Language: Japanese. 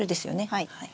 はい。